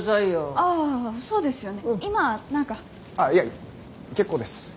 あっいや結構です。